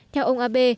theo ông abe